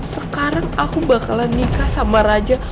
sekarang aku bakalan nikah sama raja